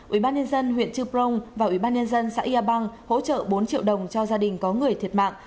ủy ban nhân dân huyện chư prong và ủy ban nhân dân xã yà bang hỗ trợ bốn triệu đồng cho gia đình có người thiệt mạng